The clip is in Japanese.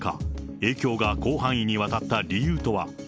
影響が広範囲にわたった理由とは。